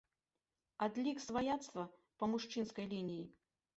Адлік сваяцтва па мужчынскай лініі.